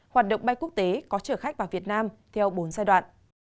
hoạt động bay quốc tế có chở khách vào việt nam theo bốn giai đoạn